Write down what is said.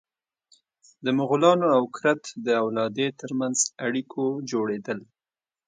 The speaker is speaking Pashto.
د مغولانو او کرت د اولادې تر منځ اړیکو جوړېدل.